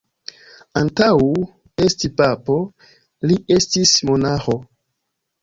Antaŭ esti papo, li estis monaĥo.